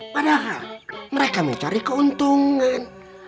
padahal mereka mencari keuntungan